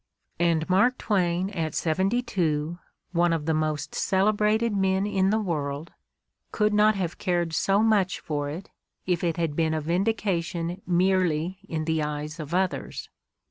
And Mark Twain at seventy two, one of the most celebrated men in the world, could not have cared so much for it if it had been a vindication merely in the eyes of others.